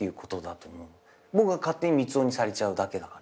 僕が勝手に満男にされちゃうだけだから。